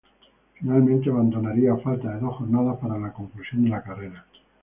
Finalmente, abandonaría a falta de dos jornadas para la conclusión de la carrera.